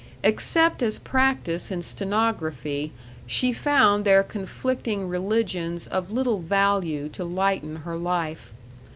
Except as practice in stenography she found their conflicting religions of little value to lighten her life.